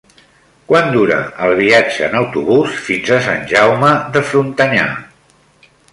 Quant dura el viatge en autobús fins a Sant Jaume de Frontanyà?